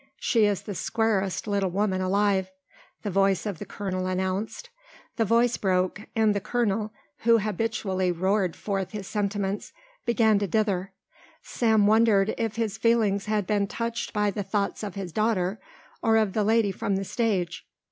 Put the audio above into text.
She is the squarest little woman alive," the voice of the colonel announced. The voice broke and the colonel, who habitually roared forth his sentiments, began to dither. Sam wondered if his feelings had been touched by the thoughts of his daughter or of the lady from the stage.